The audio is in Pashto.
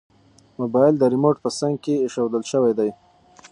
موبایل د ریموټ په څنګ کې ایښودل شوی دی.